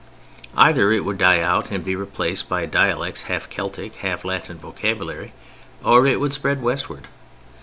Either it would die out and be replaced by dialects half Celtic, half Latin vocabulary, or it would spread westward.